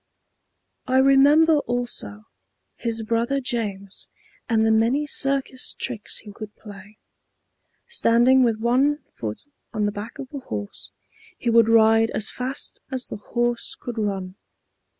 I remember, also, his brother James and the many circus tricks he could play. Standing with one foot on the back of a horse, he would ride as fast as the horse could run.